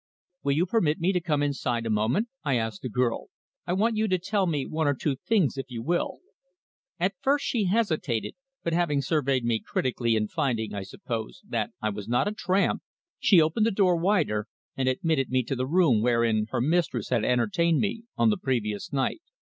"Will you permit me to come inside a moment?" I asked the girl. "I want you to tell me one or two things, if you will." At first she hesitated, but having surveyed me critically and finding, I suppose, that I was not a tramp she opened the door wider and admitted me to the room wherein her mistress had entertained me on the previous night.